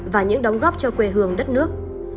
và những đóng góp cho quê hương đất nước